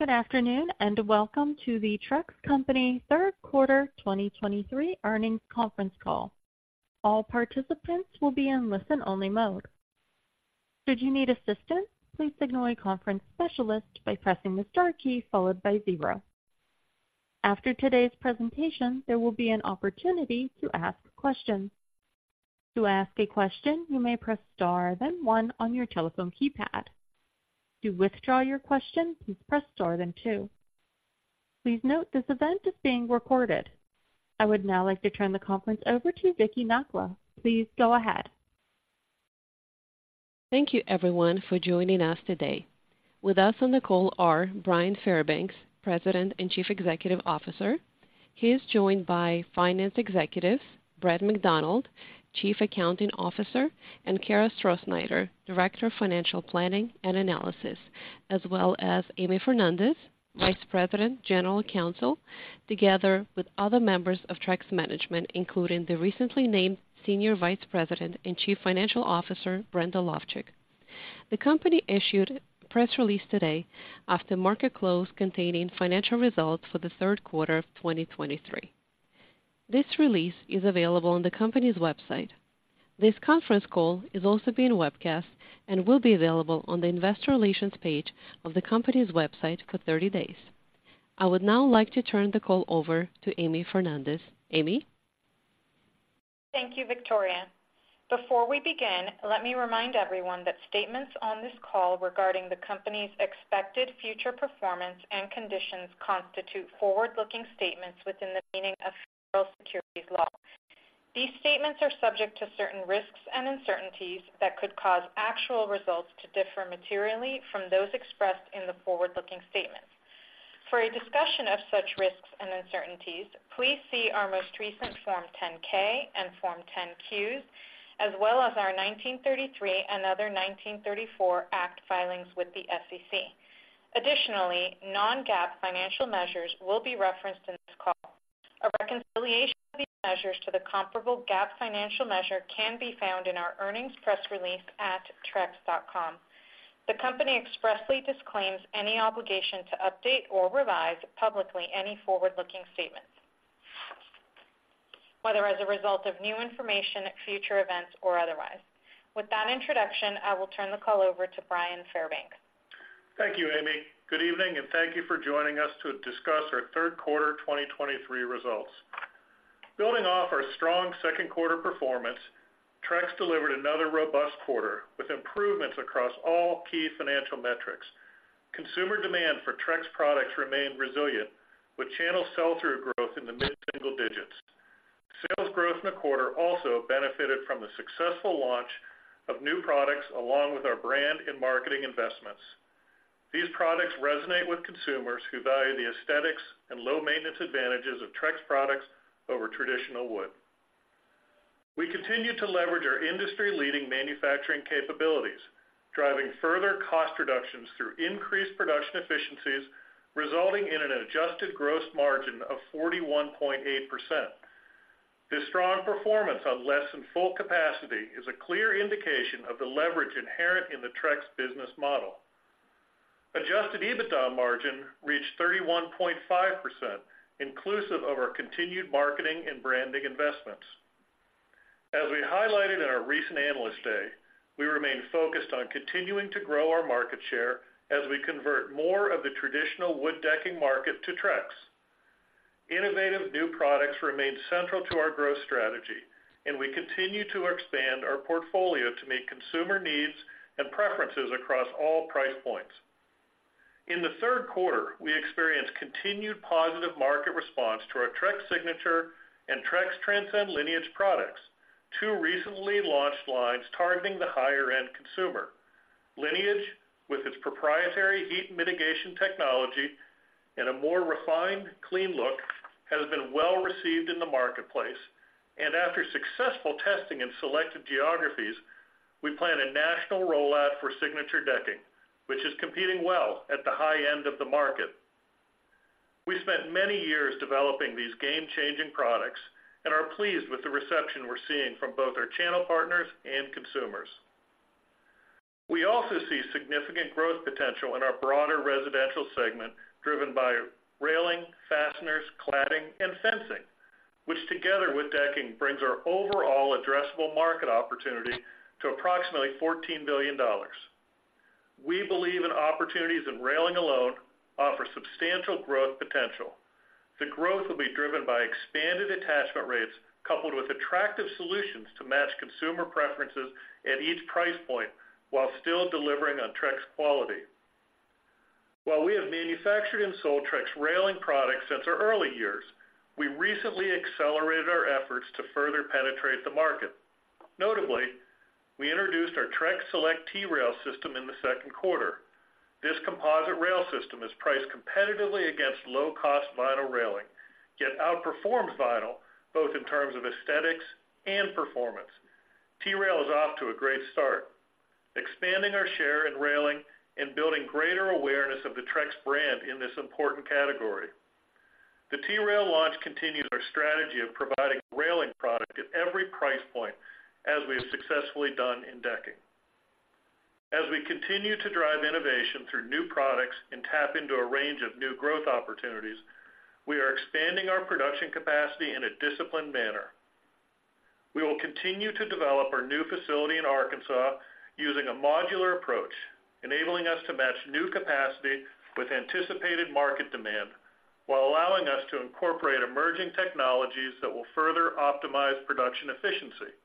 Good afternoon, and welcome to the Trex Company Q3 2023 earnings conference call. All participants will be in listen-only mode. Should you need assistance, please signal a conference specialist by pressing the star key followed by zero. After today's presentation, there will be an opportunity to ask questions. To ask a question, you may press Star, then one on your telephone keypad. To withdraw your question, please press Star, then two. Please note, this event is being recorded. I would now like to turn the conference over to Viktoriia Nakhla. Please go ahead. Thank you everyone for joining us today. With us on the call are Bryan Fairbanks, President and Chief Executive Officer. He is joined by finance executives, Brad McDonald, Chief Accounting Officer, and Kara Strosnider, Director of Financial Planning and Analysis, as well as Amy Fernandez, Vice President, General Counsel, together with other members of Trex Management, including the recently named Senior Vice President and Chief Financial Officer, Brenda Lovcik. The company issued a press release today after market close, containing financial results for the Q3 of 2023. This release is available on the company's website. This conference call is also being webcast and will be available on the Investor Relations page of the company's website for 30 days. I would now like to turn the call over to Amy Fernandez. Amy? Thank you, Viktoriia. Before we begin, let me remind everyone that statements on this call regarding the company's expected future performance and conditions constitute forward-looking statements within the meaning of federal securities law. These statements are subject to certain risks and uncertainties that could cause actual results to differ materially from those expressed in the forward-looking statements. For a discussion of such risks and uncertainties, please see our most recent Form 10-K and Form 10-Qs, as well as our 1933 and other 1934 Act filings with the SEC. Additionally, non-GAAP financial measures will be referenced in this call. A reconciliation of these measures to the comparable GAAP financial measure can be found in our earnings press release at trex.com. The company expressly disclaims any obligation to update or revise publicly any forward-looking statements, whether as a result of new information, future events, or otherwise. With that introduction, I will turn the call over to Bryan Fairbanks. Thank you, Amy. Good evening, and thank you for joining us to discuss our Q3 2023 results. Building off our strong Q2 performance, Trex delivered another robust quarter with improvements across all key financial metrics. Consumer demand for Trex products remained resilient, with channel sell-through growth in the mid-single digits. Sales growth in the quarter also benefited from the successful launch of new products, along with our brand and marketing investments. These products resonate with consumers who value the aesthetics and low maintenance advantages of Trex products over traditional wood. We continue to leverage our industry-leading manufacturing capabilities, driving further cost reductions through increased production efficiencies, resulting in an adjusted gross margin of 41.8%. This strong performance on less than full capacity is a clear indication of the leverage inherent in the Trex business model. Adjusted EBITDA margin reached 31.5%, inclusive of our continued marketing and branding investments. As we highlighted in our recent Analyst Day, we remain focused on continuing to grow our market share as we convert more of the traditional wood decking market to Trex. Innovative new products remain central to our growth strategy, and we continue to expand our portfolio to meet consumer needs and preferences across all price points. In the Q3, we experienced continued positive market response to our Trex Signature and Trex Transcend Lineage products, two recently launched lines targeting the higher-end consumer. Lineage, with its proprietary heat mitigation technology and a more refined, clean look, has been well-received in the marketplace, and after successful testing in selected geographies, we plan a national rollout for Signature Decking, which is competing well at the high end of the market. We spent many years developing these game-changing products and are pleased with the reception we're seeing from both our channel partners and consumers. We also see significant growth potential in our broader residential segment, driven by railing, fasteners, cladding, and fencing, which together with decking, brings our overall addressable market opportunity to approximately $14 billion. We believe in opportunities, and railing alone offers substantial growth potential. The growth will be driven by expanded attachment rates, coupled with attractive solutions to match consumer preferences at each price point, while still delivering on Trex quality. While we have manufactured and sold Trex Railing products since our early years, we recently accelerated our efforts to further penetrate the market. Notably, we introduced our Trex Select T-Rail system in the Q2. This composite rail system is priced competitively against low-cost vinyl railing, yet outperforms vinyl both in terms of aesthetics and performance. T-Rail is off to a great start, expanding our share in railing and building greater awareness of the Trex brand in this important category. The T-Rail launch continues our strategy of providing railing product at every price point, as we have successfully done in decking. As we continue to drive innovation through new products and tap into a range of new growth opportunities, we are expanding our production capacity in a disciplined manner. We will continue to develop our new facility in Arkansas using a modular approach, enabling us to match new capacity with anticipated market demand, while allowing us to incorporate emerging technologies that will further optimize production efficiency.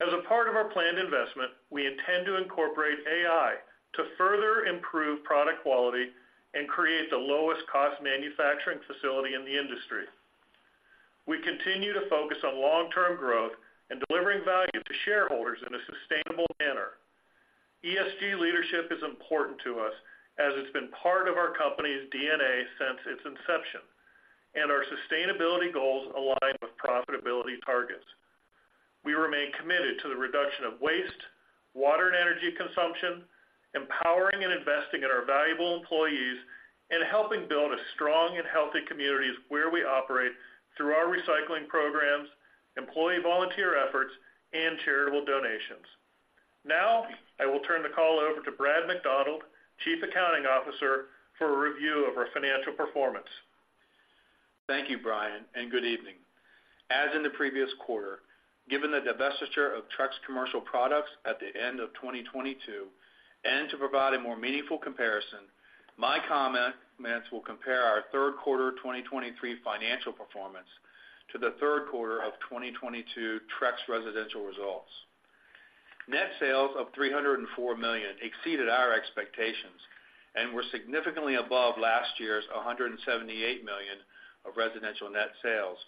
As a part of our planned investment, we intend to incorporate AI to further improve product quality and create the lowest cost manufacturing facility in the industry. We continue to focus on long-term growth and delivering value to shareholders in a sustainable manner. ESG leadership is important to us, as it's been part of our company's DNA since its inception, and our sustainability goals align with profitability targets. We remain committed to the reduction of waste, water, and energy consumption, empowering and investing in our valuable employees, and helping build strong and healthy communities where we operate through our recycling programs, employee volunteer efforts, and charitable donations. Now, I will turn the call over to Brad McDonald, Chief Accounting Officer, for a review of our financial performance. Thank you, Bryan, and good evening. As in the previous quarter, given the divestiture of Trex Commercial Products at the end of 2022, and to provide a more meaningful comparison, my comments will compare our Q3 2023 financial performance to the Q3 of 2022 Trex Residential Results. Net sales of $304 million exceeded our expectations and were significantly above last year's $178 million of residential net sales,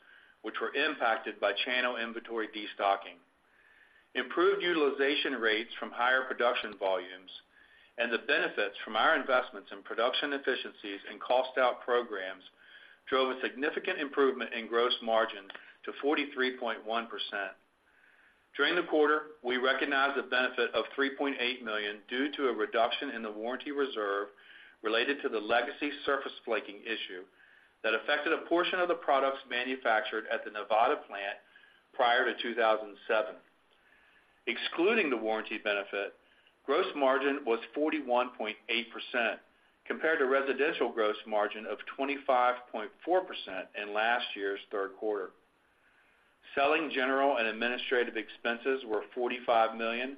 which were impacted by channel inventory destocking. Improved utilization rates from higher production volumes and the benefits from our investments in production efficiencies and cost out programs, drove a significant improvement in gross margin to 43.1%. During the quarter, we recognized the benefit of $3.8 million due to a reduction in the warranty reserve related to the legacy surface flaking issue that affected a portion of the products manufactured at the Nevada plant prior to 2007. Excluding the warranty benefit, gross margin was 41.8% compared to residential gross margin of 25.4% in last year's Q3. Selling general and administrative expenses were $45 million,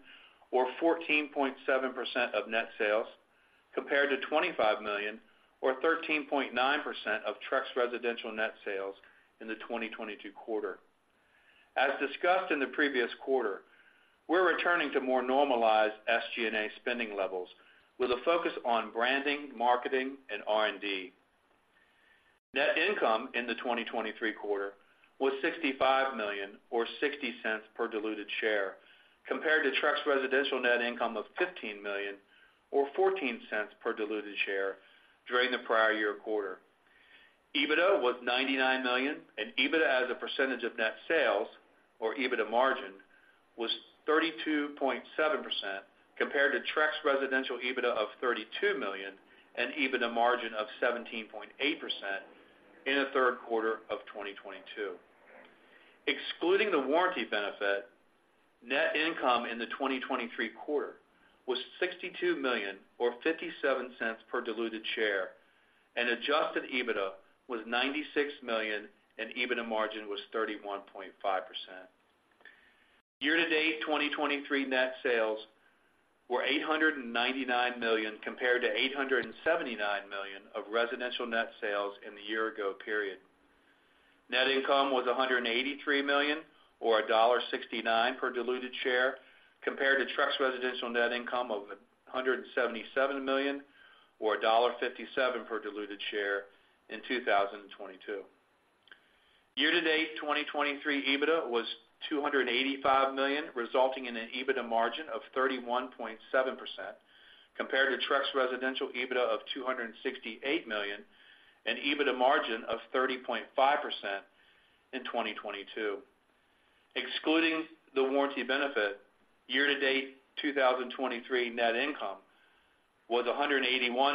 or 14.7% of net sales, compared to $25 million, or 13.9% of Trex Residential net sales in the 2022 quarter. As discussed in the previous quarter, we're returning to more normalized SG&A spending levels with a focus on branding, marketing, and R&D. Net income in the 2023 quarter was $65 million or $0.60 per diluted share, compared to Trex Residential net income of $15 million or $0.14 per diluted share during the prior year quarter. EBITDA was $99 million, and EBITDA as a percentage of net sales or EBITDA margin, was 32.7%, compared to Trex Residential EBITDA of $32 million and EBITDA margin of 17.8% in the Q3 of 2022. Excluding the warranty benefit, net income in the 2023 quarter was $62 million or $0.57 per diluted share, and adjusted EBITDA was $96 million, and EBITDA margin was 31.5%. Year-to-date, 2023 net sales were $899 million, compared to $879 million of residential net sales in the year ago period. Net income was $183 million or $1.69 per diluted share, compared to Trex Residential net income of $177 million or $1.57 per diluted share in 2022. Year-to-date, 2023 EBITDA was $285 million, resulting in an EBITDA margin of 31.7%, compared to Trex Residential EBITDA of $268 million and EBITDA margin of 30.5% in 2022. Excluding the warranty benefit, year-to-date, 2023 net income was $181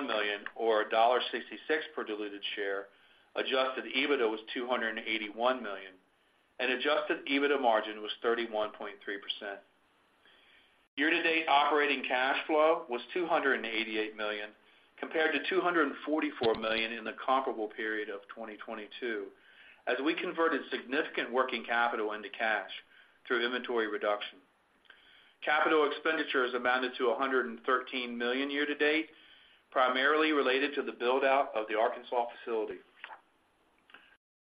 million or $1.66 per diluted share. Adjusted EBITDA was $281 million, and adjusted EBITDA margin was 31.3%. Year-to-date operating cash flow was $288 million, compared to $244 million in the comparable period of 2022, as we converted significant working capital into cash through inventory reduction. Capital expenditures amounted to $113 million year-to-date, primarily related to the build-out of the Arkansas facility.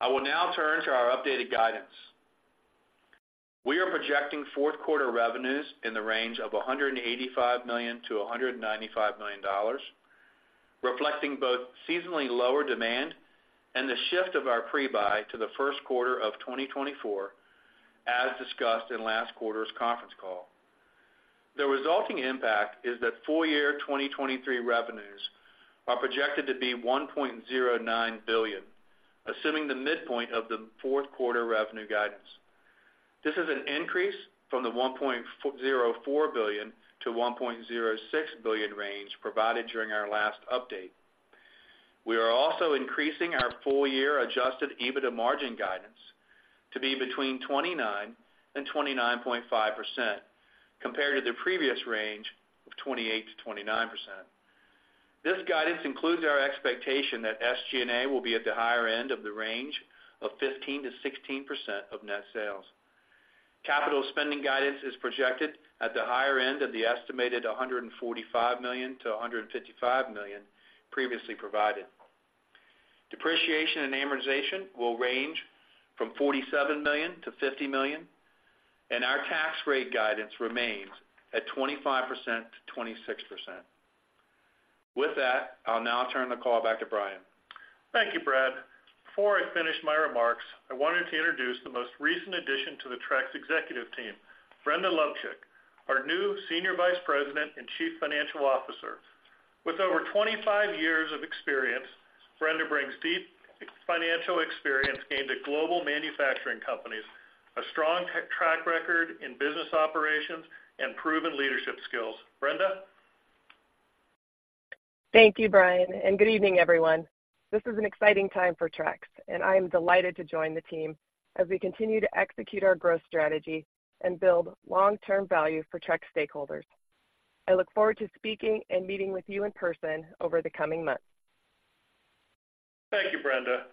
I will now turn to our updated guidance. We are projecting Q4 revenues in the range of $185 million-$195 million, reflecting both seasonally lower demand and the shift of our pre-buy to the Q1 of 2024, as discussed in last quarter's conference call. The resulting impact is that full year 2023 revenues are projected to be $1.09 billion, assuming the midpoint of the Q4 revenue guidance. This is an increase from the $1.04 billion-$1.06 billion range provided during our last update. We are also increasing our full-year adjusted EBITDA margin guidance to be between 29%-29.5%, compared to the previous range of 28%-29%. This guidance includes our expectation that SG&A will be at the higher end of the range of 15%-16% of net sales. Capital spending guidance is projected at the higher end of the estimated $145 million-$155 million previously provided. Depreciation and amortization will range from $47 million-$50 million, and our tax rate guidance remains at 25%-26%. With that, I'll now turn the call back to Bryan. Thank you, Brad. Before I finish my remarks, I wanted to introduce the most recent addition to the Trex Executive Team, Brenda Lovcik, our new Senior Vice President and Chief Financial Officer. With over 25 years of experience, Brenda brings deep financial experience gained at global manufacturing companies, a strong track record in business operations and proven leadership skills. Brenda? Thank you, Bryan, and good evening, everyone. This is an exciting time for Trex, and I am delighted to join the team as we continue to execute our growth strategy and build long-term value for Trex stakeholders. I look forward to speaking and meeting with you in person over the coming months. Thank you, Brenda.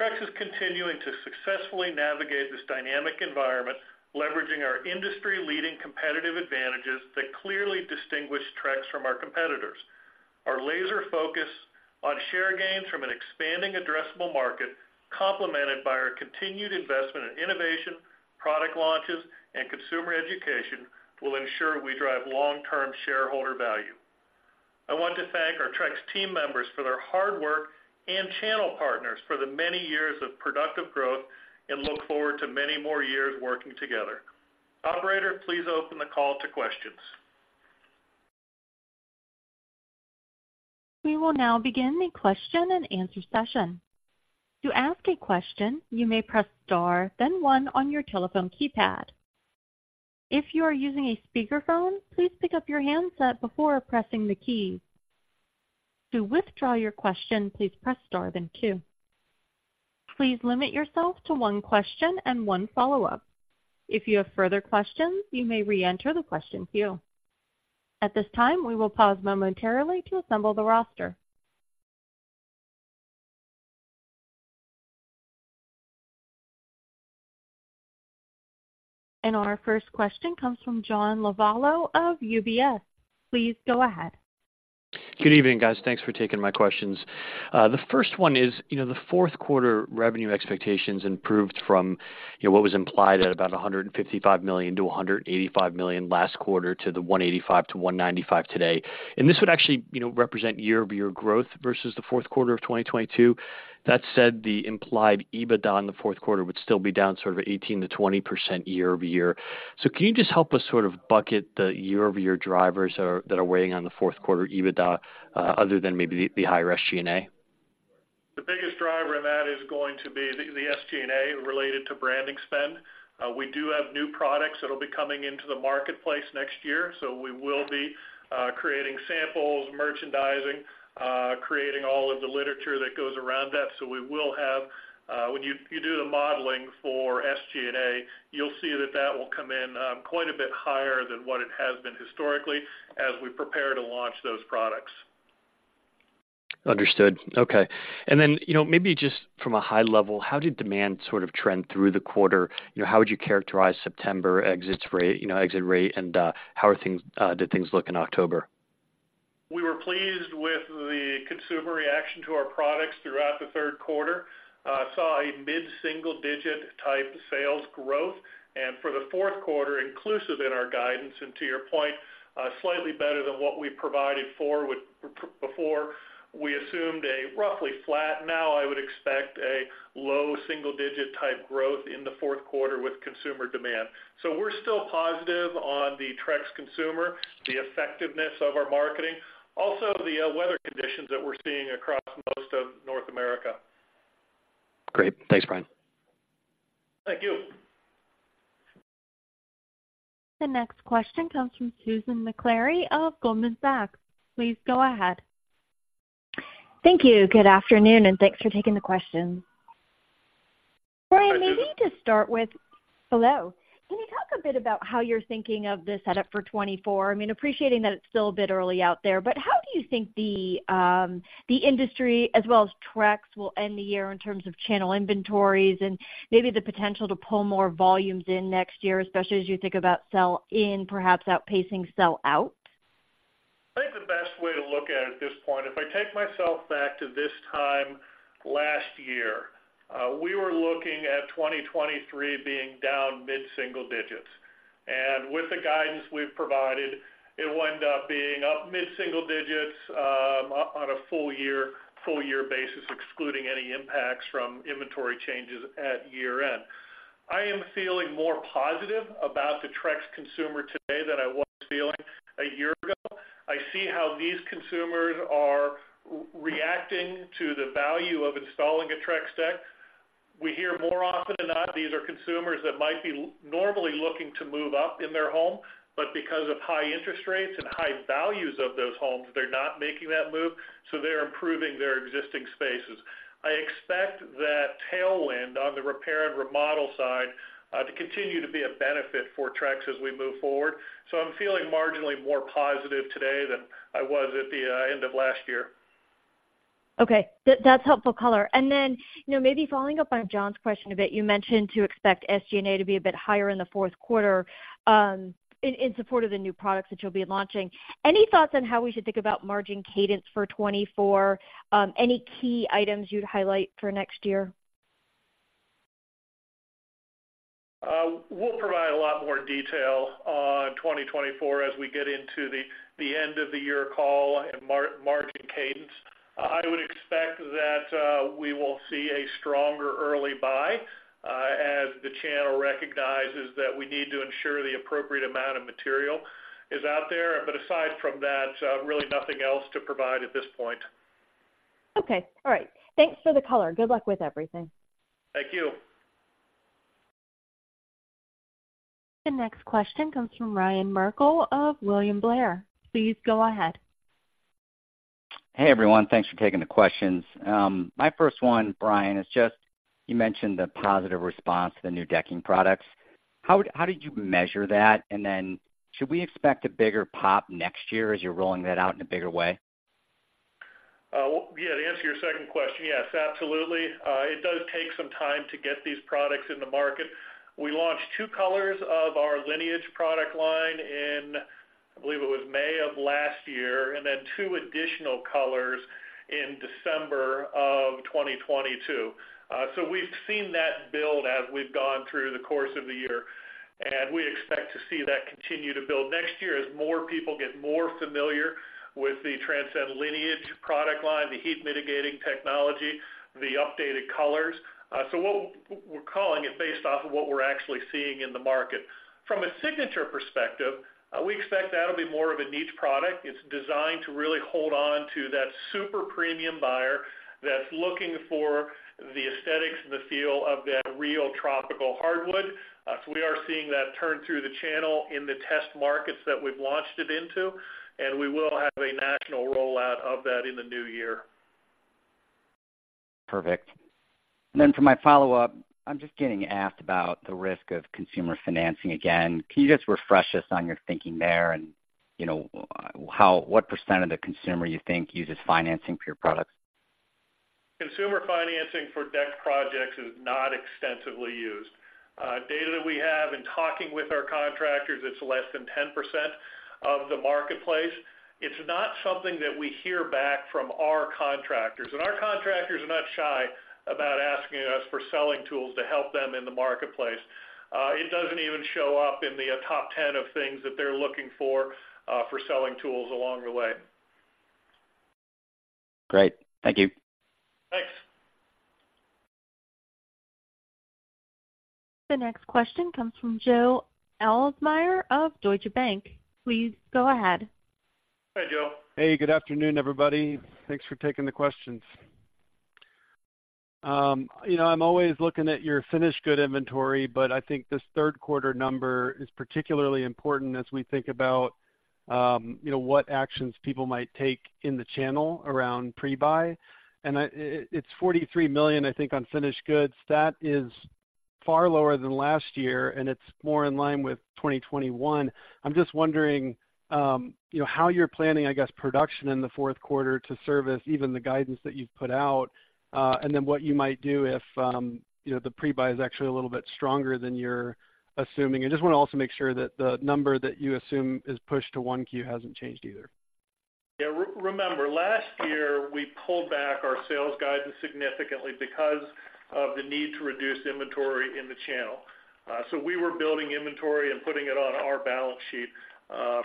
Trex is continuing to successfully navigate this dynamic environment, leveraging our industry-leading competitive advantages that clearly distinguish Trex from our competitors. Our laser focus on share gains from an expanding addressable market, complemented by our continued investment in innovation, product launches, and consumer education, will ensure we drive long-term shareholder value. I want to thank our Trex team members for their hard work and channel partners for the many years of productive growth, and look forward to many more years working together. Operator, please open the call to questions. We will now begin the question and answer session. To ask a question, you may press star, then one on your telephone keypad. If you are using a speakerphone, please pick up your handset before pressing the key. To withdraw your question, please press star, then two. Please limit yourself to one question and one follow-up. If you have further questions, you may reenter the question queue. At this time, we will pause momentarily to assemble the roster. Our first question comes from John Lovallo of UBS. Please go ahead. Good evening, guys. Thanks for taking my questions. The first one is, you know, the Q4 revenue expectations improved from, you know, what was implied at about $155 million- $185 million last quarter to the $185-$195 today. And this would actually, you know, represent year-over-year growth versus the Q4 of 2022. That said, the implied EBITDA in the Q4 would still be down sort of 18%-20% year-over-year. So can you just help us sort of bucket the year-over-year drivers that are weighing on the Q4 EBITDA, other than maybe the higher SG&A? The biggest driver of that is going to be the SG&A related to branding spend. We do have new products that will be coming into the marketplace next year, so we will be creating samples, merchandising, creating all of the literature that goes around that. So we will have, when you do the modeling for SG&A, you'll see that that will come in quite a bit higher than what it has been historically as we prepare to launch those products. Understood. Okay. And then, you know, maybe just from a high level, how did demand sort of trend through the quarter? You know, how would you characterize September exits rate, you know, exit rate, and how are things, did things look in October? We were pleased with the consumer reaction to our products throughout the Q3. Saw a mid-single digit type sales growth, and for the Q4, inclusive in our guidance, and to your point, slightly better than what we provided for with before. We assumed a roughly flat. Now, I would expect a low single digit type growth in the Q4 with consumer demand. So we're still positive on the Trex consumer, the effectiveness of our marketing, also the weather conditions that we're seeing across most of North America. Great. Thanks, Bryan. Thank you. The next question comes from Susan Maklari of Goldman Sachs. Please go ahead. Thank you. Good afternoon, and thanks for taking the questions. Hi, Susan. Bryan, maybe to start with. Hello. Can you talk a bit about how you're thinking of the setup for 2024? I mean, appreciating that it's still a bit early out there, but how do you think the industry, as well as Trex, will end the year in terms of channel inventories and maybe the potential to pull more volumes in next year, especially as you think about sell-in perhaps outpacing sell out? I think the best way to look at it at this point, if I take myself back to this time last year, we were looking at 2023 being down mid-single digits. And with the guidance we've provided, it will end up being up mid-single digits, on a full year, full year basis, excluding any impacts from inventory changes at year-end. I am feeling more positive about the Trex consumer today than I was feeling a year ago. I see how these consumers are reacting to the value of installing a Trex deck. We hear more often than not, these are consumers that might be normally looking to move up in their home, but because of high interest rates and high values of those homes, they're not making that move, so they're improving their existing spaces. I expect that tailwind on the repair and remodel side to continue to be a benefit for Trex as we move forward. So I'm feeling marginally more positive today than I was at the end of last year. Okay. That's helpful color. And then, you know, maybe following up on John's question a bit, you mentioned to expect SG&A to be a bit higher in the Q4, in support of the new products that you'll be launching. Any thoughts on how we should think about margin cadence for 2024? Any key items you'd highlight for next year? We'll provide a lot more detail on 2024 as we get into the end of the year call and margin cadence. I would expect that we will see a stronger early buy as the channel recognizes that we need to ensure the appropriate amount of material is out there. But aside from that, really nothing else to provide at this point. Okay. All right. Thanks for the color. Good luck with everything. Thank you. The next question comes from Ryan Merkel of William Blair. Please go ahead. Hey, everyone. Thanks for taking the questions. My first one, Bryan, is just, you mentioned the positive response to the new Decking Products. How did you measure that? And then should we expect a bigger pop next year as you're rolling that out in a bigger way? Well, yeah, to answer your second question, yes, absolutely. It does take some time to get these products in the market. We launched two colors of our Lineage product line in, I believe it was May of last year, and then two additional colors in December 2022. So we've seen that build as we've gone through the course of the year, and we expect to see that continue to build next year as more people get more familiar with the Transcend Lineage product line, the heat-mitigating technology, the updated colors. So what we're calling it based off of what we're actually seeing in the market. From a Signature perspective, we expect that'll be more of a niche product. It's designed to really hold on to that super premium buyer that's looking for the aesthetics and the feel of that real tropical hardwood. So we are seeing that turn through the channel in the test markets that we've launched it into, and we will have a national rollout of that in the new year. Perfect. And then for my follow-up, I'm just getting asked about the risk of consumer financing again. Can you just refresh us on your thinking there and, you know, what percent of the consumer you think uses financing for your products? Consumer financing for deck projects is not extensively used. Data that we have in talking with our contractors, it's less than 10% of the marketplace. It's not something that we hear back from our contractors, and our contractors are not shy about asking us for selling tools to help them in the marketplace. It doesn't even show up in the top 10 of things that they're looking for, for selling tools along the way. Great. Thank you. Thanks. The next question comes from Joe Ahlersmeyer of Deutsche Bank. Please go ahead. Hi, Joe. Hey, good afternoon, everybody. Thanks for taking the questions. You know, I'm always looking at your finished good inventory, but I think this Q3 number is particularly important as we think about what actions people might take in the channel around pre-buy. It's $43 million, I think, on finished goods. That is far lower than last year, and it's more in line with 2021. I'm just wondering, you know, how you're planning, I guess, production in the Q4 to service even the guidance that you've put out, and then what you might do if the pre-buy is actually a little bit stronger than you're assuming. I just want to also make sure that the number that you assume is pushed to Q1 hasn't changed either. Yeah, remember, last year, we pulled back our sales guidance significantly because of the need to reduce inventory in the channel. So we were building inventory and putting it on our balance sheet,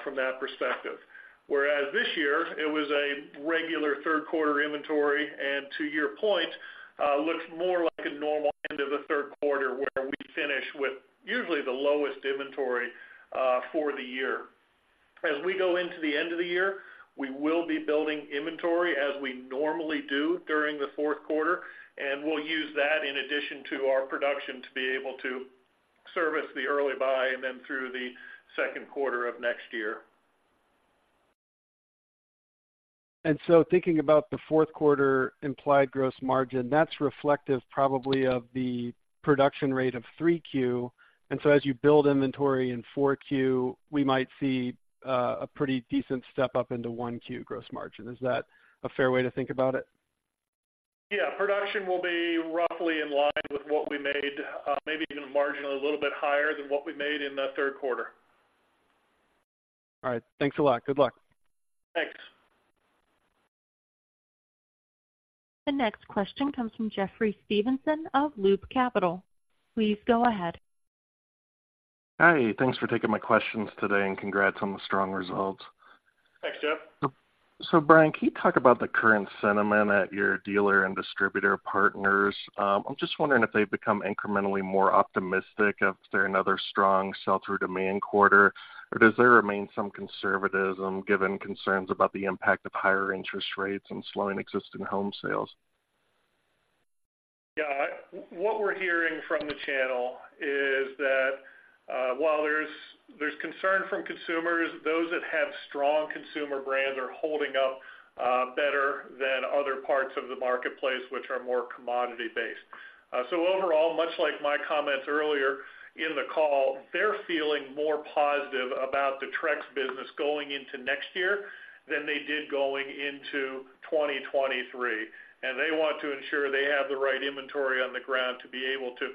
from that perspective. Whereas this year, it was a regular Q3 inventory, and to your point, looks more like a normal end of the Q3, where we finish with usually the lowest inventory, for the year. As we go into the end of the year, we will be building inventory as we normally do during the Q4, and we'll use that in addition to our production, to be able to service the early buy and then through the Q2 of next year. And so thinking about the Q4 implied gross margin, that's reflective probably of the production rate of 3Q. And so as you build inventory in 4Q, we might see a pretty decent step up into Q1 gross margin. Is that a fair way to think about it? Yeah. Production will be roughly in line with what we made, maybe even marginally a little bit higher than what we made in the Q3. All right. Thanks a lot. Good luck. Thanks. The next question comes from Jeffrey Stevenson of Loop Capital. Please go ahead. Hi, thanks for taking my questions today, and congrats on the strong results. Thanks, Jeff. So, Bryan, can you talk about the current sentiment at your dealer and distributor partners? I'm just wondering if they've become incrementally more optimistic after another strong sell-through demand quarter, or does there remain some conservatism given concerns about the impact of higher interest rates and slowing existing home sales? What we're hearing from the channel is that, while there's concern from consumers, those that have strong consumer brands are holding up better than other parts of the marketplace, which are more commodity-based. So overall, much like my comments earlier in the call, they're feeling more positive about the Trex business going into next year than they did going into 2023, and they want to ensure they have the right inventory on the ground to be able to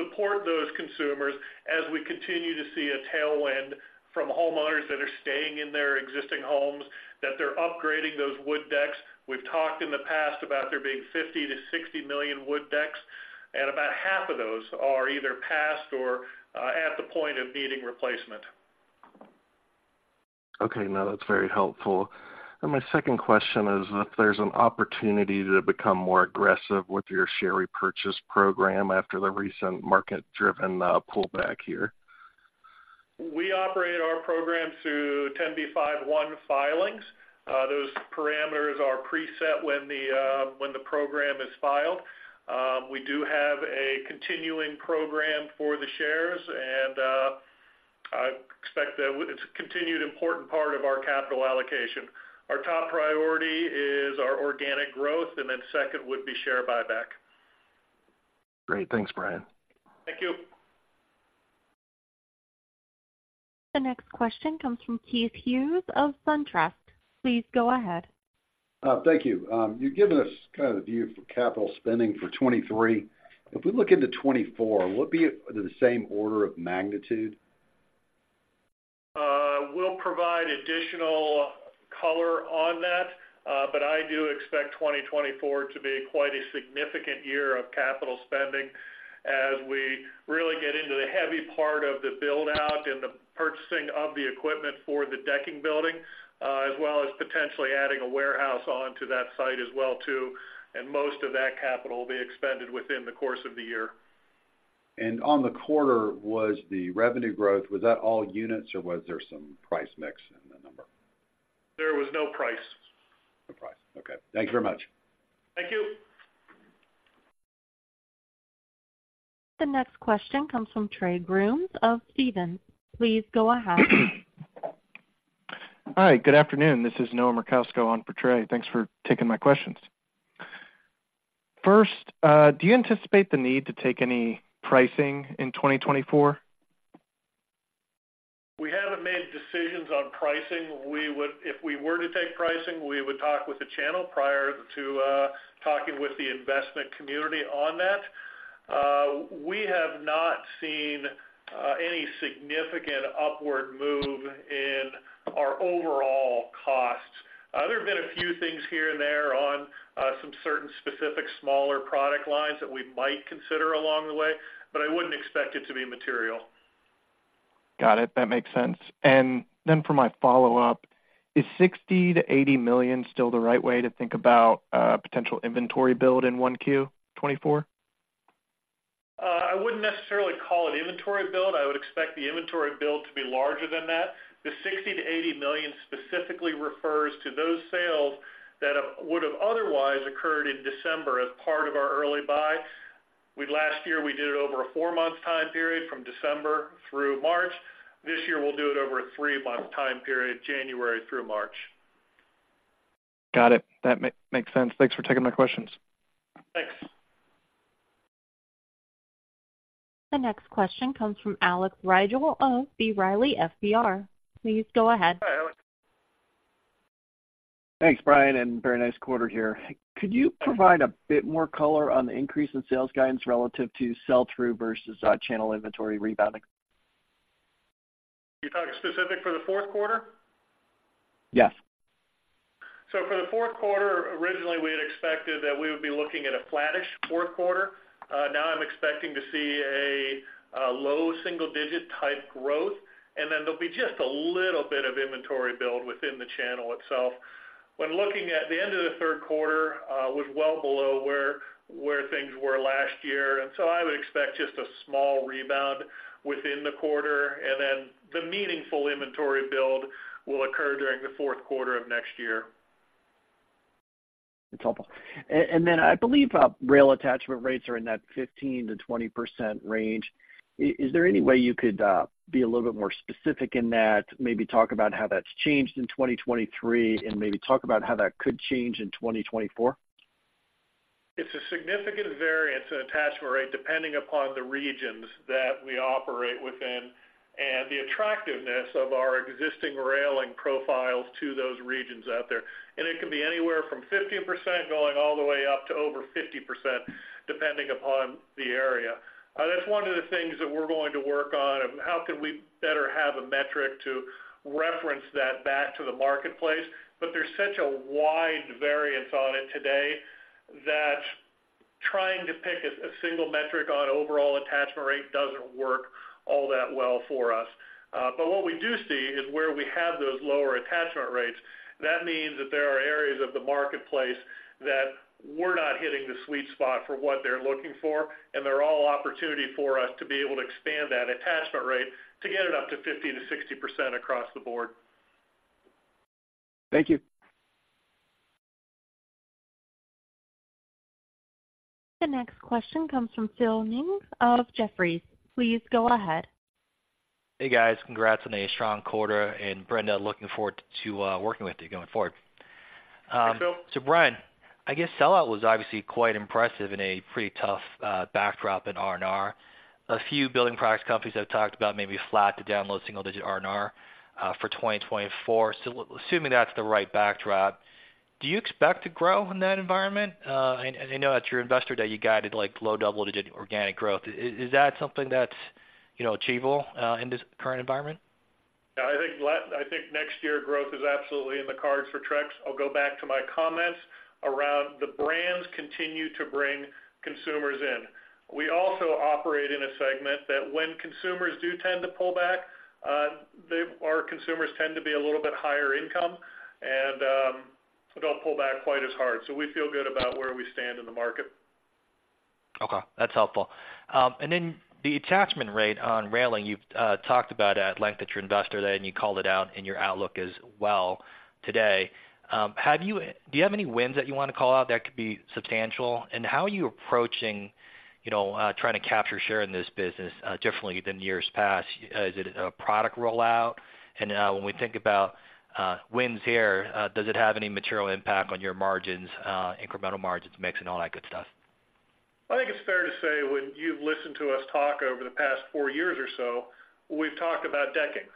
support those consumers as we continue to see a tailwind from homeowners that are staying in their existing homes, that they're upgrading those wood decks. We've talked in the past about there being 50 million-60 million wood decks, and about half of those are either past or at the point of needing replacement. Okay, now that's very helpful. My second question is, if there's an opportunity to become more aggressive with your share repurchase program after the recent market-driven pullback here? We operate our program through 10b5-1 filings. Those parameters are preset when the program is filed. We do have a continuing program for the shares, and I expect that it's a continued important part of our capital allocation. Our top priority is our organic growth, and then second would be share buyback. Great. Thanks, Bryan. Thank you. The next question comes from Keith Hughes of SunTrust. Please go ahead. Thank you. You've given us kind of the view for capital spending for 2023. If we look into 2024, will it be the same order of magnitude? We'll provide additional color on that, but I do expect 2024 to be quite a significant year of capital spending as we really get into the heavy part of the build-out and the purchasing of the equipment for the decking building, as well as potentially adding a warehouse onto that site as well, too, and most of that capital will be expended within the course of the year. On the quarter, was the revenue growth, was that all units, or was there some price mix in the number? There was no price. No price. Okay. Thank you very much. Thank you. The next question comes from Trey Grooms of Stephens. Please go ahead. Hi, good afternoon. This is Noah Merkousko on for Trey. Thanks for taking my questions. First, do you anticipate the need to take any pricing in 2024? We haven't made decisions on pricing. We would. If we were to take pricing, we would talk with the channel prior to talking with the investment community on that. We have not seen any significant upward move in our overall costs. There have been a few things here and there on some certain specific smaller product lines that we might consider along the way, but I wouldn't expect it to be material. Got it. That makes sense. And then for my follow-up, is $60 million-$80 million still the right way to think about potential inventory build in Q1 2024? I wouldn't necessarily call it inventory build. I would expect the inventory build to be larger than that. The $60 million-$80 million specifically refers to those sales that would have otherwise occurred in December as part of our early buy. Last year, we did it over a four-month time period from December through March. This year, we'll do it over a three-month time period, January through March. Got it. That makes sense. Thanks for taking my questions. Thanks. The next question comes from Alex Rygiel of B. Riley FBR. Please go ahead. Hi, Alex. Thanks, Bryan, and very nice quarter here. Could you provide a bit more color on the increase in sales guidance relative to sell-through versus channel inventory rebounding? You're talking specifically for the Q4? Yes. So for the Q4, originally, we had expected that we would be looking at a flattish Q4. Now I'm expecting to see a low single-digit type growth, and then there'll be just a little bit of inventory build within the channel itself. When looking at the end of the Q3, was well below where, where things were last year, and so I would expect just a small rebound within the quarter, and then the meaningful inventory build will occur during the Q4 of next year. That's helpful. And then I believe rail attachment rates are in that 15%-20% range. Is there any way you could be a little bit more specific in that, maybe talk about how that's changed in 2023, and maybe talk about how that could change in 2024? It's a significant variance in attachment rate, depending upon the regions that we operate within and the attractiveness of our existing railing profiles to those regions out there. And it can be anywhere from 15%, going all the way up to over 50%, depending upon the area. That's one of the things that we're going to work on, and how can we better have a metric to reference that back to the marketplace. But there's such a wide variance on it today, that trying to pick a single metric on overall attachment rate doesn't work all that well for us. But what we do see is where we have those lower attachment rates, that means that there are areas of the marketplace that we're not hitting the sweet spot for what they're looking for, and they're all opportunity for us to be able to expand that attachment rate to get it up to 50%-60% across the board. Thank you. The next question comes from Phil Ng of Jefferies. Please go ahead. Hey, guys. Congrats on a strong quarter, and Brenda, looking forward to working with you going forward. Hey, Phil. So Bryan, I guess sellout was obviously quite impressive in a pretty tough backdrop in RNR. A few building product companies have talked about maybe flat to down low single-digit RNR for 2024. So assuming that's the right backdrop, do you expect to grow in that environment? And I know at your investor day, you guided, like, low double-digit organic growth. Is that something that's, you know, achievable in this current environment? Yeah, I think next year, growth is absolutely in the cards for Trex. I'll go back to my comments around the brands continue to bring consumers in. We also operate in a segment that when consumers do tend to pull back, they, our consumers tend to be a little bit higher income and, so don't pull back quite as hard. So we feel good about where we stand in the market. Okay, that's helpful. And then the attachment rate on railing, you've talked about at length at your investor day, and you called it out in your outlook as well today. Do you have any wins that you want to call out that could be substantial? And how are you approaching, you know, trying to capture share in this business differently than years past? Is it a product rollout? And when we think about wins here, does it have any material impact on your margins, incremental margins, mix, and all that good stuff? I think it's fair to say, when you've listened to us talk over the past four years or so, we've talked about decking.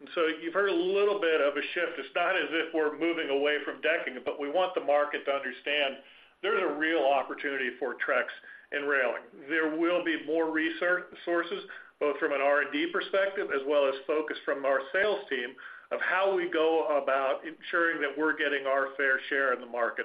And so you've heard a little bit of a shift. It's not as if we're moving away from decking, but we want the market to understand there's a real opportunity for Trex in railing. There will be more resources, both from an R&D perspective as well as focus from our sales team, of how we go about ensuring that we're getting our fair share in the market.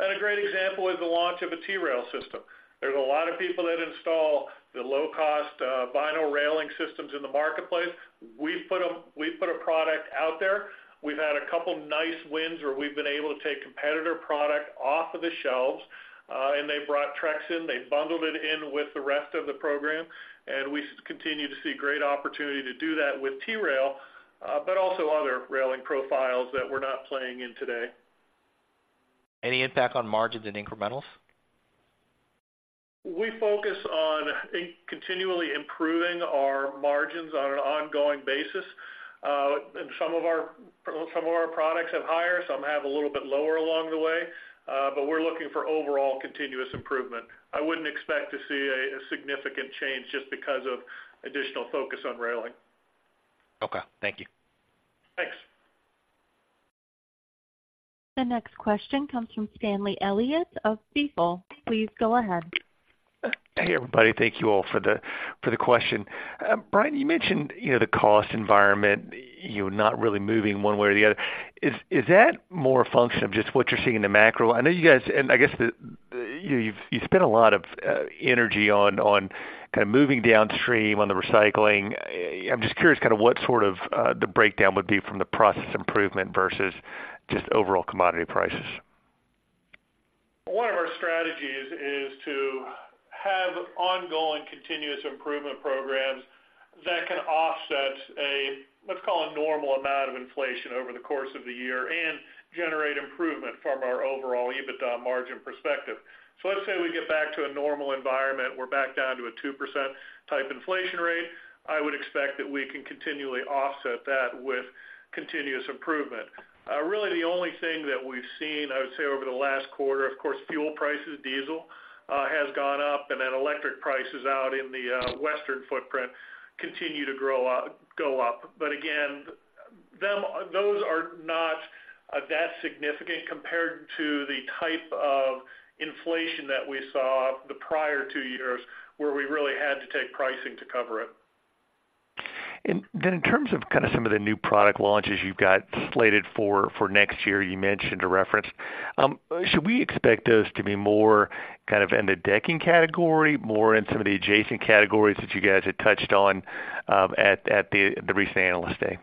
And a great example is the launch of a T-Rail system. There's a lot of people that install the low-cost vinyl railing systems in the marketplace. We've put a product out there. We've had a couple nice wins where we've been able to take competitor product off of the shelves, and they brought Trex in, they bundled it in with the rest of the program, and we continue to see great opportunity to do that with T-Rail, but also other railing profiles that we're not playing in today. Any impact on margins and incrementals? We focus on continually improving our margins on an ongoing basis. Some of our products have higher, some have a little bit lower along the way, but we're looking for overall continuous improvement. I wouldn't expect to see a significant change just because of additional focus on railing. Okay, thank you. Thanks. The next question comes from Stanley Elliott of Stifel. Please go ahead. Hey, everybody. Thank you all for the question. Bryan, you mentioned, you know, the cost environment, you're not really moving one way or the other. Is that more a function of just what you're seeing in the macro? I know you guys, and I guess you, you've spent a lot of energy on kind of moving downstream on the recycling. I'm just curious, kind of what sort of the breakdown would be from the process improvement versus just overall commodity prices. One of our strategies is to have ongoing continuous improvement programs that can offset a, let's call a normal amount of inflation over the course of the year and generate improvement from our overall EBITDA margin perspective. So let's say we get back to a normal environment, we're back down to a 2% type inflation rate, I would expect that we can continually offset that with continuous improvement. Really, the only thing that we've seen, I would say, over the last quarter, of course, fuel prices, diesel, has gone up, and then electric prices out in the, western footprint continue to go up. But again, those are not that significant compared to the type of inflation that we saw the prior two years, where we really had to take pricing to cover it. In terms of kind of some of the new product launches you've got slated for next year, you mentioned a reference, should we expect those to be more kind of in the decking category, more in some of the adjacent categories that you guys had touched on at the recent Analyst Day?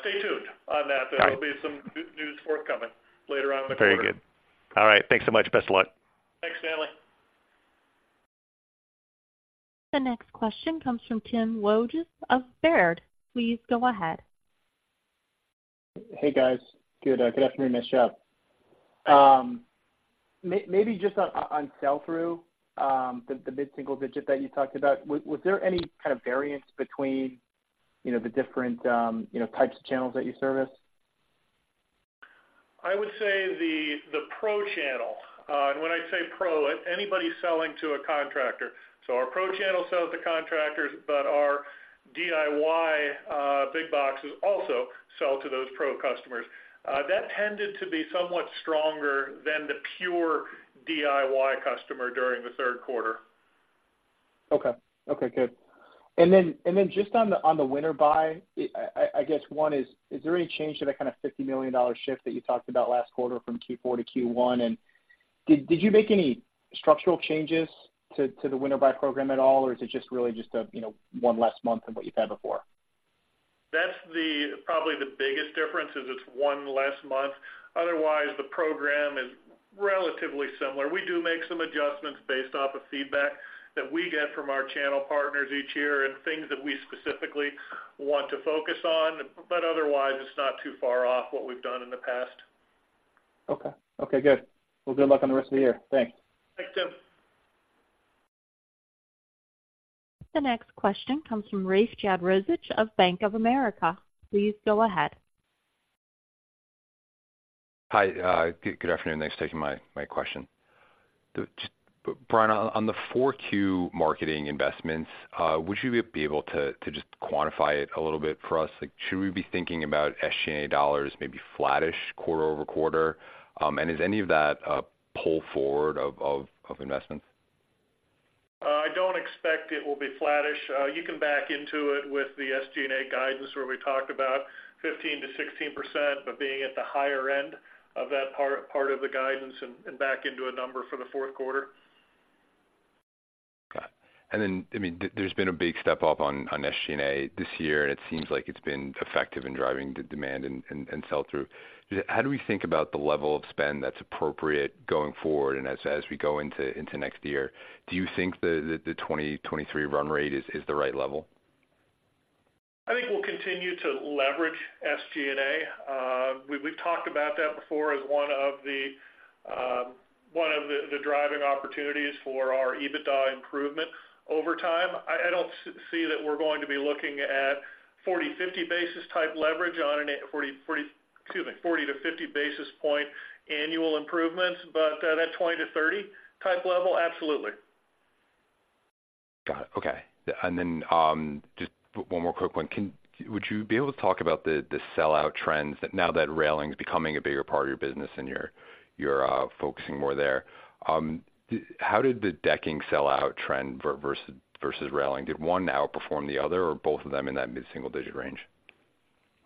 Stay tuned on that. All right. There'll be some good news forthcoming later on in the quarter. Very good. All right. Thanks so much. Best of luck. Thanks, Stanley. The next question comes from Tim Wojs of Baird. Please go ahead. Hey, guys. Good afternoon, nice job. Maybe just on sell-through, the mid-single digit that you talked about, was there any kind of variance between, you know, the different, you know, types of channels that you service? I would say the pro channel, and when I say pro, anybody selling to a contractor. So our pro channel sells to contractors, but our DIY big boxes also sell to those pro customers. That tended to be somewhat stronger than the pure DIY customer during the Q3. Okay. Okay, good. And then just on the winter buy, I guess one, is there any change to that kind of $50 million shift that you talked about last quarter from Q4 to Q1? And did you make any structural changes to the winter buy program at all, or is it just really just a, you know, one less month than what you've had before? That's the, probably the biggest difference, is it's one less month. Otherwise, the program is relatively similar. We do make some adjustments based off of feedback that we get from our channel partners each year and things that we specifically want to focus on, but otherwise, it's not too far off what we've done in the past. Okay. Okay, good. Well, good luck on the rest of the year. Thanks. Thanks, Tim. The next question comes from Rafe Jadrosich of Bank of America. Please go ahead. Hi, good afternoon. Thanks for taking my question. But Bryan, on the Q4 marketing investments, would you be able to just quantify it a little bit for us? Like, should we be thinking about SG&A dollars, maybe flattish quarter-over-quarter? And is any of that pull forward of investments? I don't expect it will be flattish. You can back into it with the SG&A guidance, where we talked about 15%-16%, but being at the higher end of that part of the guidance and back into a number for the Q4. Got it. And then, I mean, there, there's been a big step up on, on SG&A this year, and it seems like it's been effective in driving the demand and, and, and sell-through. How do we think about the level of spend that's appropriate going forward and as, as we go into, into next year? Do you think the, the 2023 run rate is, is the right level? I think we'll continue to leverage SG&A. We've talked about that before as one of the driving opportunities for our EBITDA improvement over time. I don't see that we're going to be looking at 40-50 basis point annual improvements, but that 20-30 type level, absolutely. Got it. Okay. And then, just one more quick one. Would you be able to talk about the sell-through trends now that railing is becoming a bigger part of your business and you're focusing more there? How did the decking sell-through trend versus railing? Did one outperform the other, or both of them in that mid-single digit range?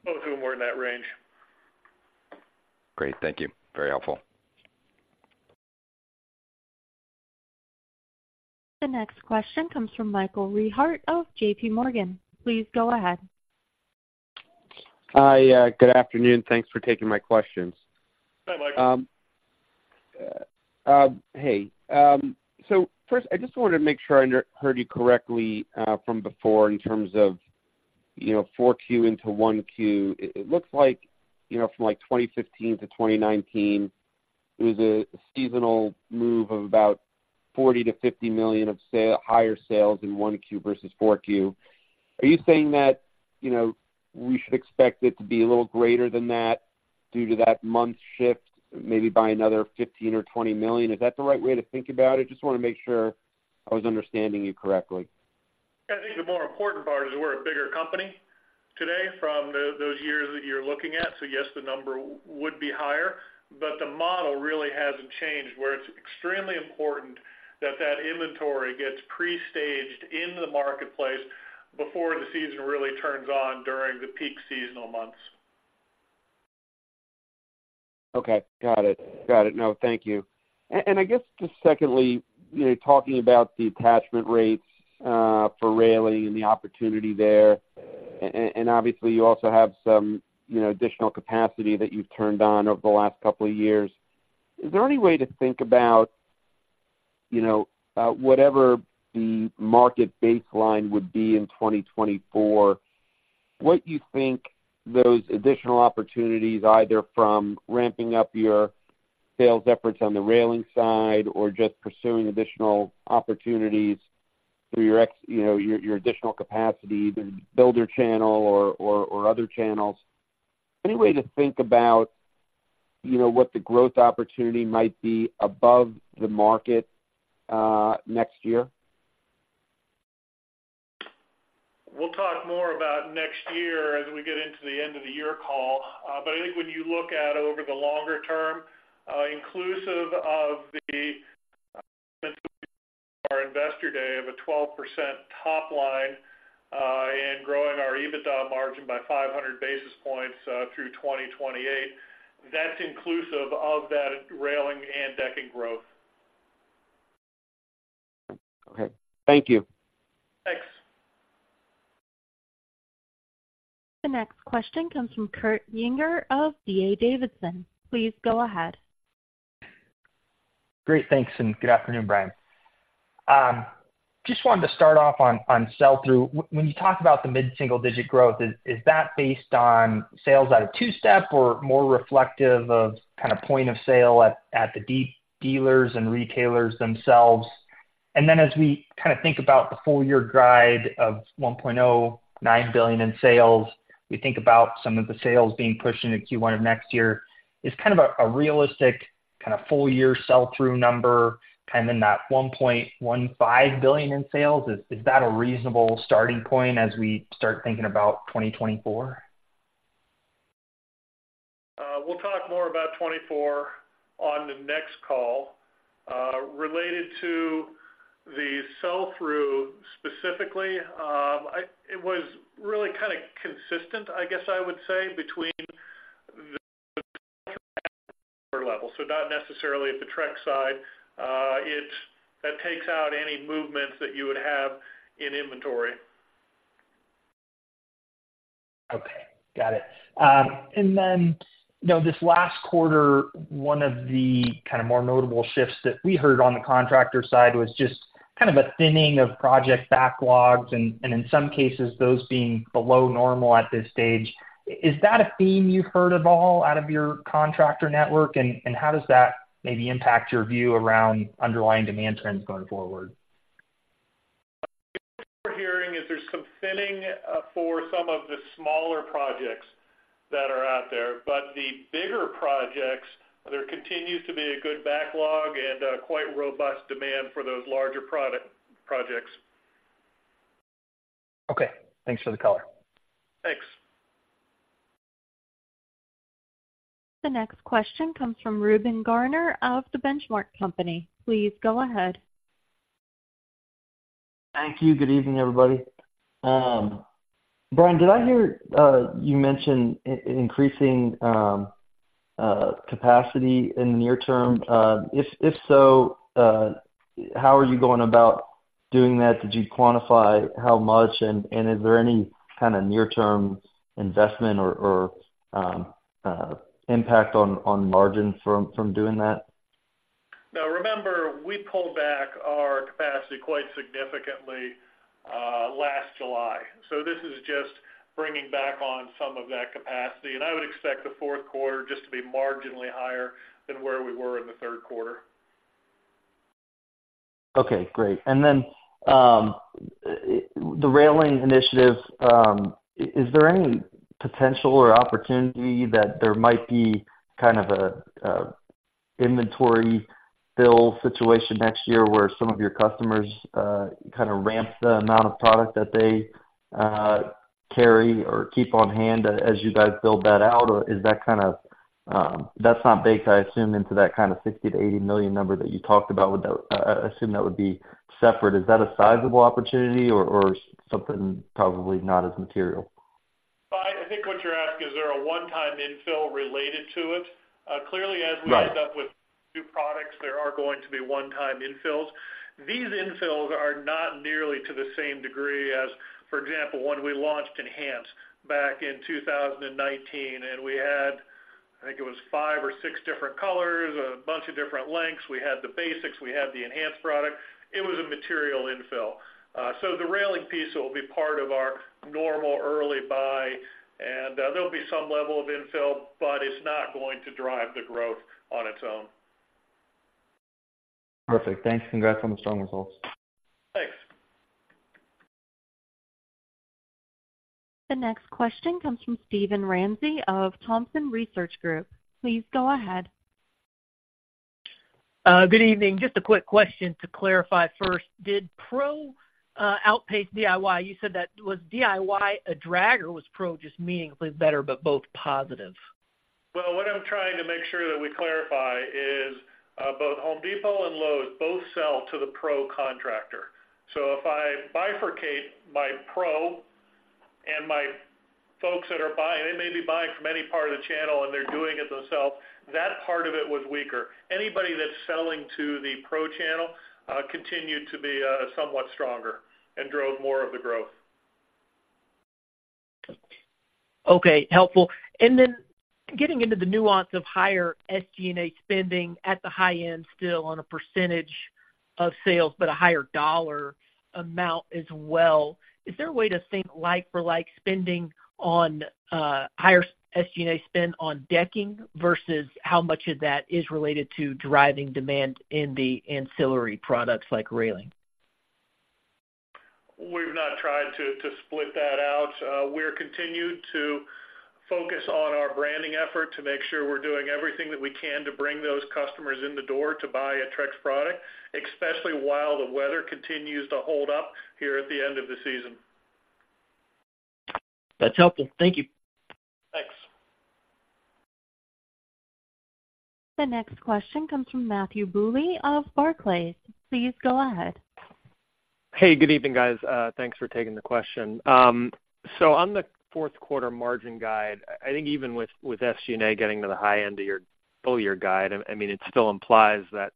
Both of them were in that range. Great, thank you. Very helpful. The next question comes from Michael Rehaut of JPMorgan. Please go ahead. Hi, good afternoon, thanks for taking my questions. Hi, Michael. Hey, so first, I just wanted to make sure I heard you correctly, from before in terms of, you know, Q4 into Q1. It looks like, you know, from, like, 2015 to 2019, it was a seasonal move of about $40 million-$50 million of higher sales in Q1 versus Q4. Are you saying that, you know, we should expect it to be a little greater than that due to that month shift, maybe by another $15 million or $20 million? Is that the right way to think about it? Just want to make sure I was understanding you correctly. I think the more important part is we're a bigger company today from those years that you're looking at. So yes, the number would be higher, but the model really hasn't changed, where it's extremely important that that inventory gets pre-staged in the marketplace before the season really turns on during the peak seasonal months. Okay, got it. Got it. No, thank you. And, and I guess just secondly, you know, talking about the attachment rates for railing and the opportunity there, and obviously, you also have some, you know, additional capacity that you've turned on over the last couple of years. Is there any way to think about, you know, whatever the market baseline would be in 2024, what you think those additional opportunities, either from ramping up your sales efforts on the railing side or just pursuing additional opportunities through your you know, your additional capacity, the builder channel or other channels? Any way to think about, you know, what the growth opportunity might be above the market next year? We'll talk more about next year as we get into the end of the year call. But I think when you look at over the longer term, inclusive of our investor day of a 12% top line, and growing our EBITDA margin by 500 basis points, through 2028, that's inclusive of that railing and decking growth. Okay. Thank you. Thanks. The next question comes from Kurt Yinger of D.A. Davidson. Please go ahead. Great, thanks, and good afternoon, Bryan. Just wanted to start off on sell-through. When you talk about the mid-single digit growth, is that based on sales out of two-step or more reflective of kind of point of sale at the dealers and retailers themselves? And then as we kind of think about the full year guide of $1.09 billion in sales, we think about some of the sales being pushed into Q1 of next year. Is kind of a realistic kind of full year sell-through number, kind of in that $1.15 billion in sales, a reasonable starting point as we start thinking about 2024? We'll talk more about 2024 on the next call. Related to the sell-through specifically, it was really kind of consistent, I guess I would say, between the level, so not necessarily at the Trex side. That takes out any movements that you would have in inventory. Okay, got it. And then, you know, this last quarter, one of the kind of more notable shifts that we heard on the contractor side was just kind of a thinning of project backlogs, and in some cases, those being below normal at this stage. Is that a theme you've heard of all out of your contractor network? And how does that maybe impact your view around underlying demand trends going forward? What we're hearing is there's some thinning for some of the smaller projects that are out there, but the bigger projects, there continues to be a good backlog and quite robust demand for those larger projects. Okay, thanks for the color. Thanks. The next question comes from Reuben Garner of The Benchmark Company. Please go ahead. Thank you. Good evening, everybody. Bryan, did I hear you mention increasing capacity in the near term? If so, how are you going about doing that? Did you quantify how much, and is there any kind of near-term investment or impact on margins from doing that? Now, remember, we pulled back our capacity quite significantly last July. This is just bringing back on some of that capacity, and I would expect the Q4 just to be marginally higher than where we were in the Q3. Okay, great. And then, the railing initiative, is there any potential or opportunity that there might be kind of a inventory fill situation next year, where some of your customers kind of ramp the amount of product that they carry or keep on hand as you guys build that out? Or is that kind of that's not baked, I assume, into that kind of $60 million-$80 million number that you talked about. Would that I assume that would be separate. Is that a sizable opportunity or something probably not as material? I think what you're asking, is there a one-time infill related to it? Clearly, as- Right -we end up with new products, there are going to be one-time infills. These infills are not nearly to the same degree as, for example, when we launched Enhance back in 2019, and we had, I think it was 5 or 6 different colors, a bunch of different lengths. We had the basics, we had the enhanced product. It was a material infill. So the railing piece will be part of our normal early buy, and there'll be some level of infill, but it's not going to drive the growth on its own. Perfect. Thanks. Congrats on the strong results. Thanks. The next question comes from Steven Ramsey of Thompson Research Group. Please go ahead. Good evening. Just a quick question to clarify first. Did Pro outpace DIY? You said that, was DIY a drag, or was Pro just meaningfully better, but both positive? Well, what I'm trying to make sure that we clarify is, both Home Depot and Lowe's both sell to the Pro contractor. So if I bifurcate my Pro and my folks that are buying, they may be buying from any part of the channel, and they're doing it themselves, that part of it was weaker. Anybody that's selling to the Pro channel, continued to be, somewhat stronger and drove more of the growth. Okay, helpful. And then getting into the nuance of higher SG&A spending at the high end, still on a percentage of sales, but a higher dollar amount as well. Is there a way to think like-for-like spending on higher SG&A spend on decking versus how much of that is related to driving demand in the ancillary products, like railing? We've not tried to split that out. We're continued to focus on our branding effort to make sure we're doing everything that we can to bring those customers in the door to buy a Trex Product, especially while the weather continues to hold up here at the end of the season. That's helpful. Thank you. Thanks. The next question comes from Matthew Bouley of Barclays. Please go ahead. Hey, good evening, guys. Thanks for taking the question. So on the Q4 margin guide, I think even with SG&A getting to the high end of your full year guide, I mean, it still implies that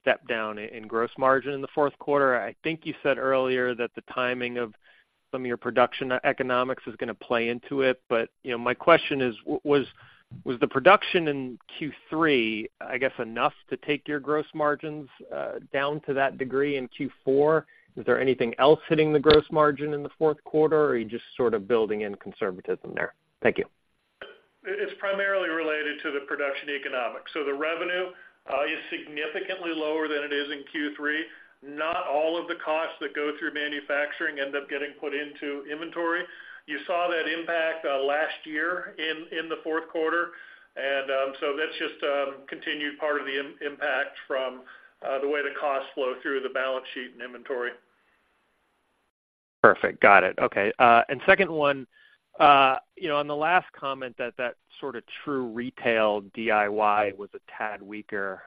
step down in gross margin in the Q4. I think you said earlier that the timing of some of your production economics is going to play into it. But, you know, my question is: Was the production in Q3, I guess, enough to take your gross margins down to that degree in Q4? Is there anything else hitting the gross margin in the Q4, or are you just sort of building in conservatism there? Thank you. It's primarily related to the production economics. So the revenue is significantly lower than it is in Q3. Not all of the costs that go through manufacturing end up getting put into inventory. You saw that impact last year in the Q4. So that's just continued part of the impact from the way the costs flow through the balance sheet and inventory. Perfect. Got it. Okay, and second one, you know, on the last comment that that sort of true retail DIY was a tad weaker,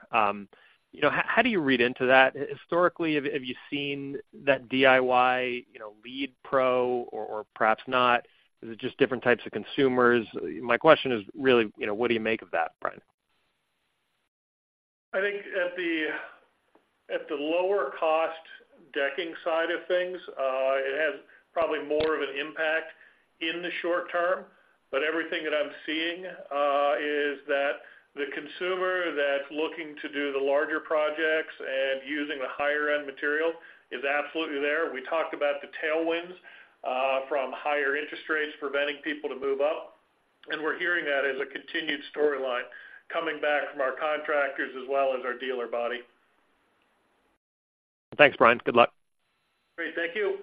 you know, how do you read into that? Historically, have you seen that DIY, you know, lead Pro or, or perhaps not? Is it just different types of consumers? My question is really, you know, what do you make of that, Bryan? I think at the, at the lower cost decking side of things, it has probably more of an impact in the short term, but everything that I'm seeing is that the consumer that's looking to do the larger projects and using the higher-end material is absolutely there. We talked about the tailwinds from higher interest rates preventing people to move up, and we're hearing that as a continued storyline coming back from our contractors as well as our dealer body. Thanks, Bryan. Good luck. Great. Thank you.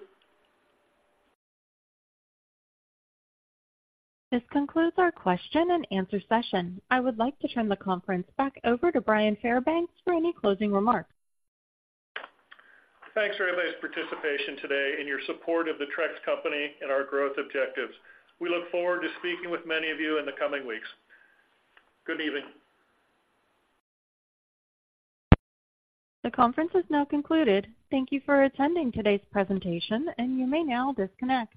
This concludes our question and answer session. I would like to turn the conference back over to Bryan Fairbanks for any closing remarks. Thanks for everybody's participation today and your support of the Trex Company and our growth objectives. We look forward to speaking with many of you in the coming weeks. Good evening. The conference is now concluded. Thank you for attending today's presentation, and you may now disconnect.